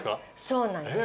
そうなんです。